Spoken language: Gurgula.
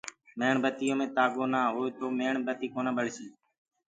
ميڻ بتيو مينٚ تآگو نآ هوئي تو ميڻ بتي ڪونآ ٻݪي۔